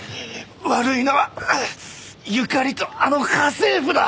悪いのは友加里とあの家政婦だ！